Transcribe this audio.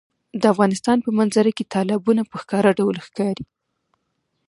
د افغانستان په منظره کې تالابونه په ښکاره ډول ښکاري.